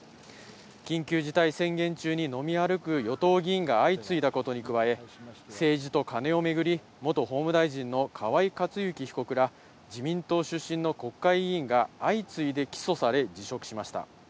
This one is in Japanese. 緊急事態宣言中に飲み歩く与党議員が相次いだことに加え、政治とカネを巡り、元法務大臣の河井克行被告ら、自民党出身の国会議員が相次いで起訴され、辞職しました。